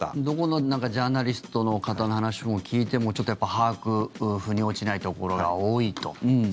どこのジャーナリストの方の話を聞いても、ちょっとやっぱり腑に落ちないところが多いと。